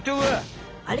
あれ？